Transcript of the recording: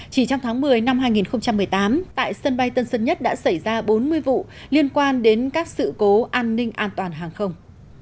chỉ trong tháng một mươi năm hai nghìn một mươi tám tại sân bay tân sơn nhất đã xảy ra bốn mươi vụ liên quan đến các sự cố an ninh an toàn hàng không